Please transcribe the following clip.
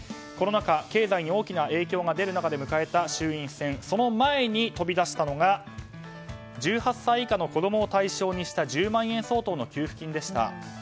コロナ禍経済に大きな影響が出る中迎えた衆院選、その前に飛び出したのが１８歳以下の子供を対象にした１０万円相当の給付金でした。